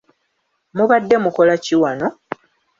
Mubadde mukola ki wano?